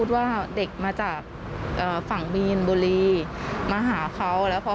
ความโหโชคดีมากที่วันนั้นไม่ถูกในไอซ์แล้วเธอเคยสัมผัสมาแล้วว่าค